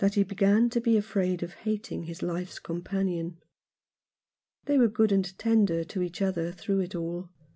he began to be afraid of hating his life's com panion. They were good and tender to each other through it all.